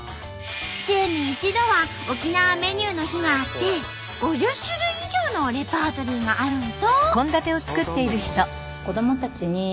週に１度は沖縄メニューの日があって５０種類以上のレパートリーがあるんと。